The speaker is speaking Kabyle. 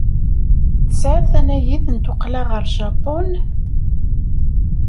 Tesɛiḍ tanagit n tuqqla ɣer Japun?